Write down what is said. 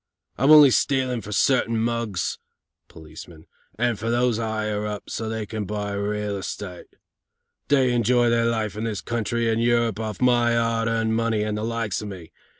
I'm only stealin' for certain mugs (policemen) and fer those 'igher up, so they can buy real estate. They enjoy their life in this country and Europe off my 'ard earned money and the likes of me.